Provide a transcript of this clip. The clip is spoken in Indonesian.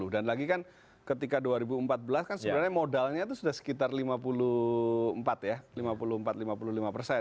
dan lagi kan ketika dua ribu empat belas kan sebenarnya modalnya itu sudah sekitar lima puluh empat ya